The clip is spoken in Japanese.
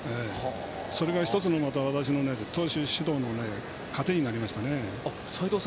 それが一つの私の投手指導の糧になりました。